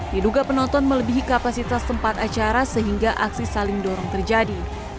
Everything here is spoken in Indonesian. diduga penonton melebihi kapasitas tempat acara sehingga aksi saling dorong terjadi